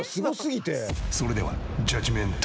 それでは。